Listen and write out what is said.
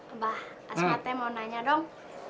abah asma teh mau nanya dong